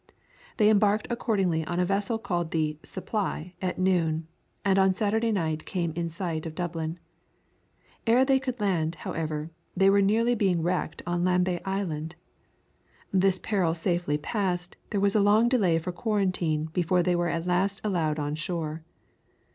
They embarked accordingly on a vessel called the SUPPLY at noon, and on Saturday night came in sight of Dublin. Ere they could land, however, they were nearly being wrecked on Lambay Island. This peril safely passed, there was a long delay for quarantine before they were at last allowed on shore.